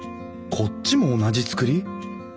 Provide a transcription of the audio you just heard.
こっちも同じ造り。